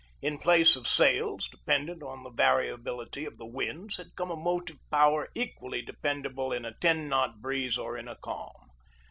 In place of sails, dependent on the variability of the winds, had come a motive power equally dependable in a ten knot breeze or a calm.